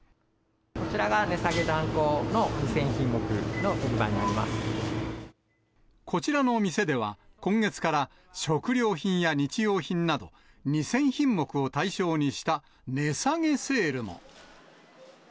こちらが値下げ断行のこちらの店では、今月から食料品や日用品など、２０００品目を対象にした値下げセールも。